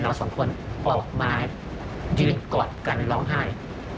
สองคนออกมายืนกอดกันร้องไห้